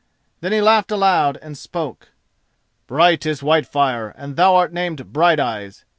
Then he laughed aloud and spoke: "Bright is Whitefire and thou art named Brighteyes.